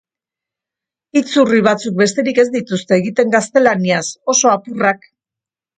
Hitz urri batzuk besterik ez dituzte egiten gaztelaniaz, oso apurrak.